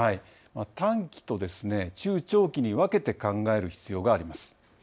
短期と中長期に分けて考える必要があります。